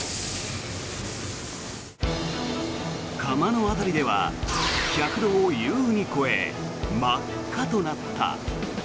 窯の辺りでは１００度を優に超え真っ赤となった。